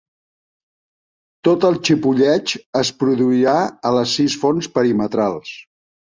Tot el xipolleig es produirà a les sis fonts perimetrals.